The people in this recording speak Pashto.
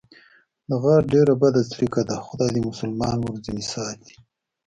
د غاښ ډېره بده څړیکه ده، خدای دې مسلمان ورځنې ساتي.